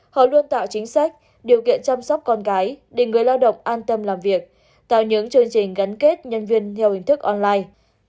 họ luôn tạo chính sách điều kiện chăm sóc con gái để người lao động an tâm làm việc tạo những chương trình gắn kết nhân viên theo hình thức online